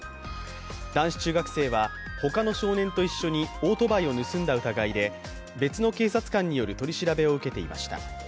男子中学生は他の少年と一緒にオートバイを盗んだ疑いで別の警察官による取り調べを受けていました。